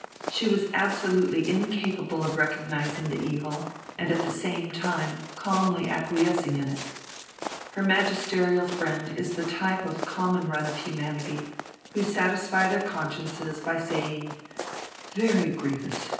She was absolutely incapable of recognising the evil and at the same time calmly acquiescing in it. Her magisterial friend is the type of the common run of humanity, who satisfy their consciences by saying, "Very grievous!